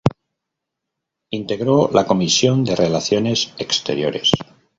Integró la Comisión de Relaciones Exteriores.